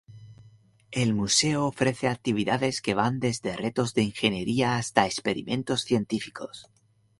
El museo ofrece actividades que van desde retos de ingeniería hasta experimentos científicos.